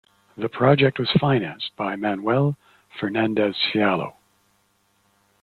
The project was financed by Manuel Fernandez Fiallo.